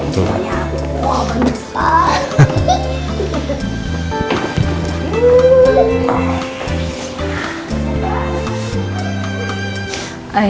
oh ini semuanya